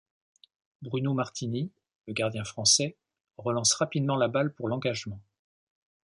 Bruno Martini, le gardien français, relance rapidement la balle pour l'engagement.